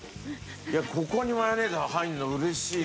ここにマヨネーズ入るの嬉しいわ。